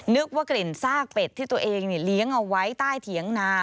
นึกว่ากลิ่นซากเป็ดที่ตัวเองเลี้ยงเอาไว้ใต้เถียงนา